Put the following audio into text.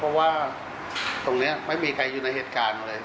เพราะว่าตรงนี้ไม่มีใครอยู่ในเหตุการณ์เลย